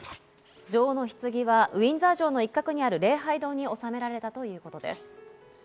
女王のひつぎはウィンザー城の一角にある礼拝堂に収められたということです。